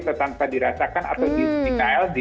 tanpa dirasakan atau di denial